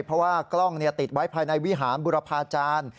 เพราะว่ากล้องติดไว้ภายในวิหารบุรพาจารย์